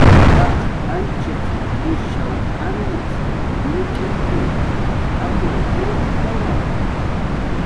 Paq janchiq ishaw antz nik'nitxi, amur putkawa